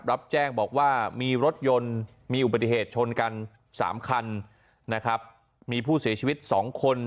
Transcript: รับแจ้งบอกว่ามีรถยนต์มีอุบัติเหตุชนกันสามคันนะครับมีผู้เสียชีวิตสองคน